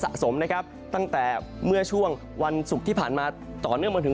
สะสมนะครับตั้งแต่เมื่อช่วงวันศุกร์ที่ผ่านมาต่อเนื่องมาถึง